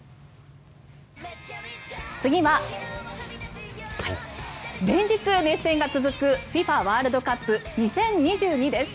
次は連日熱戦が続くＦＩＦＡワールドカップ２０２２です。